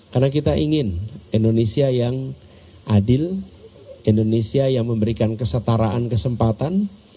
karena kita ingin indonesia yang adil indonesia yang memberikan kesetaraan kesempatan